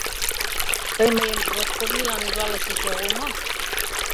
— Тый мыйым Росковийлан ужалышыч огыл мо?